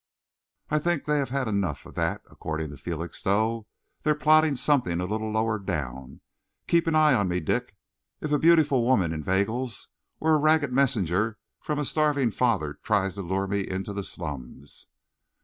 "I think they've had enough of that. According to Felixstowe, they're plotting something a little lower down. Keep an eye on me, Dick, if beautiful woman inveigles, or a ragged messenger from a starving father tries to lure me into the slums."